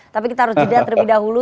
tapi kita harus jeda terlebih dahulu